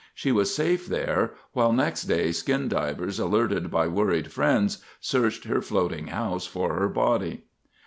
She was safe there, while next day skin divers, alerted by worried friends, searched her floating house for her body.